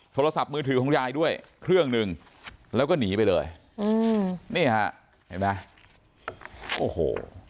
โทรศัพท์มือถือของยายด้วยเครื่องหนึ่งแล้วก็หนีไปเลยอืมนี่ฮะเห็นไหมโอ้โห